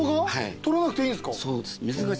取らなくていいんですか？